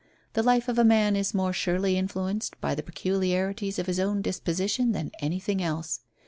The life of a man is more surely influenced by the peculiarities of his own disposition than anything else.